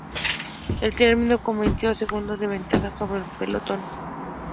Él terminó con veintidós segundos de ventaja sobre el pelotón.